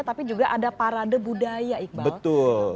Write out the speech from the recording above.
tapi juga ada parade budaya iqbal